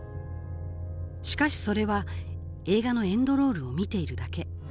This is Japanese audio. しかしそれは映画のエンドロールを見ているだけ。